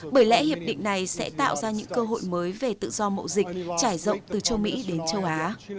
bởi lẽ hiệp định này sẽ tạo ra những cơ hội mới về tự do mậu dịch trải rộng từ châu mỹ đến châu á